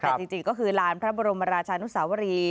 แต่จริงก็คือลานพระบรมราชานุสาวรี